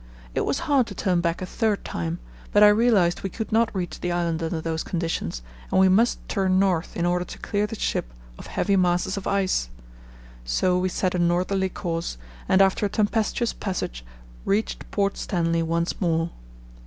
It was hard to turn back a third time, but I realized we could not reach the island under those conditions, and we must turn north in order to clear the ship of heavy masses of ice. So we set a northerly course, and after a tempestuous passage reached Port Stanley once more.